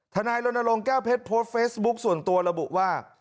นายรณรงค์แก้วเพชรโพสต์เฟซบุ๊คส่วนตัวระบุว่า